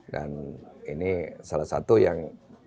dan ini salah satu yang